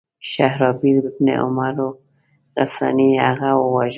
شهرابیل بن عمرو غساني هغه وواژه.